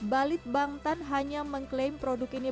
balit bangtan hanya mengklaim produk ini